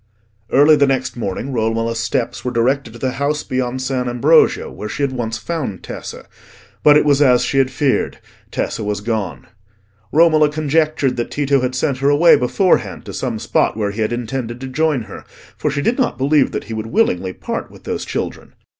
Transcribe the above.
Early the next morning Romola's steps were directed to the house beyond San Ambrogio where she had once found Tessa; but it was as she had feared: Tessa was gone. Romola conjectured that Tito had sent her away beforehand to some spot where he had intended to join her, for she did not believe that he would willingly part with those children.